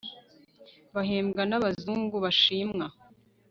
bahembwa n'abazungu bashimwa